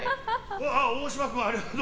大島君、ありがとう。